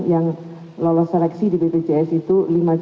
yang lolos seleksi di bpjs itu